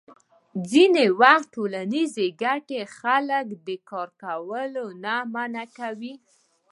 ځینې وخت ټولنیزې ګټې خلک د کار کولو نه منع کوي.